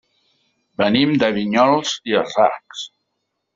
Venim de Vinyols i els Arcs.